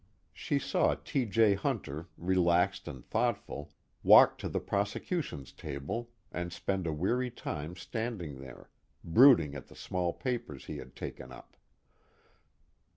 '" She saw T. J. Hunter, relaxed and thoughtful, walk to the prosecution's table and spend a weary time standing there, brooding at the small papers he had taken up.